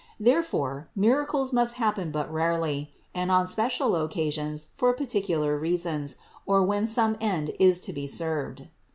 Therefore, miracles must happen but rarely, and on special occasions for particular reasons, or when some end is to be served.